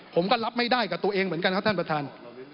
ผมก็รับไม่ได้กับตัวเองเหมือนกันครับท่านประธาน